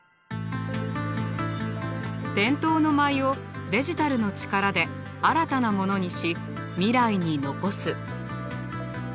伝統の舞をデジタルの力で新たなものにし未来に残す。